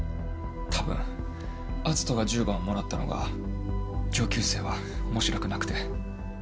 多分篤斗が１０番をもらったのが上級生は面白くなくて。